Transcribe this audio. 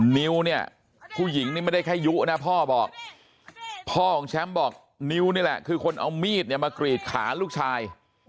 นิ้วเนี่ยผู้หญิงนี่ไม่ได้แค่ยุนะพ่อบอกพ่อของแชมป์บอกนิ้วนี่แหละคือคนเอามีดเนี่ยมากรีดขาลูกชาย